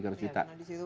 karena di situ jelas